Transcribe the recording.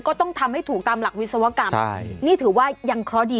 ก็ต้องทำให้ถูกตามหลักวิศวกรรมใช่นี่ถือว่ายังเคราะห์ดี